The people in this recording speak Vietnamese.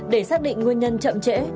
để xác định nguyên nhân chậm trễ